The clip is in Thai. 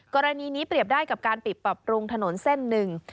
กรณีนี้เปรียบได้กับการปิดปรับปรุงถนนเส้นหนึ่ง